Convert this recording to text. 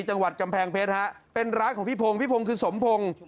จังหวัดกำแพงเพชรฮะเป็นร้านของพี่พงศ์พี่พงศ์คือสมพงศ์